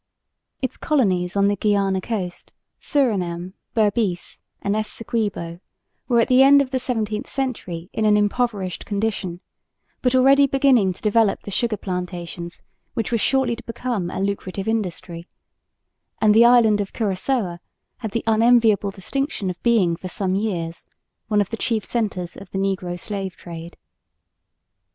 Its colonies on the Guiana coast, Surinam, Berbice and Essequibo were at the end of the 17th century in an impoverished condition, but already beginning to develop the sugar plantations which were shortly to become a lucrative industry; and the island of Curaçoa had the unenviable distinction of being for some years one of the chief centres of the negro slave trade.